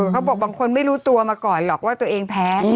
บางคนไม่รู้ตัวมาก่อนหรอกว่าตัวเองแพ้